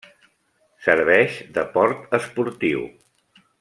Serveix de port esportiu.